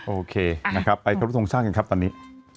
โอเคไปครับทุกท่องช่างกันครับตอนนี้